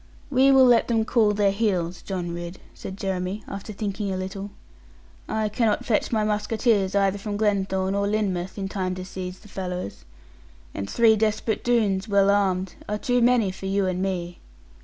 'We will let them cool their heels, John Ridd,' said Jeremy, after thinking a little. 'I cannot fetch my musketeers either from Glenthorne or Lynmouth, in time to seize the fellows. And three desperate Doones, well armed, are too many for you and me.